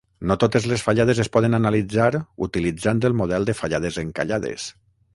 No totes les fallades es poden analitzar utilitzant el model de fallades encallades.